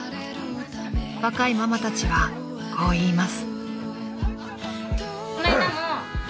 ［若いママたちはこう言います］